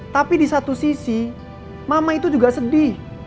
tapi di satu sisi mama itu juga sedih